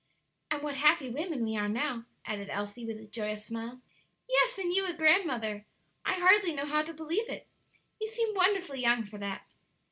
"And what happy women we are now!" added Elsie, with a joyous smile. "Yes; and you a grandmother! I hardly know how to believe it! You seem wonderfully young for that."